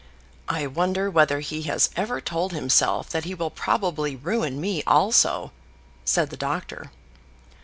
("I wonder whether he has ever told himself that he will probably ruin me also," said the doctor.)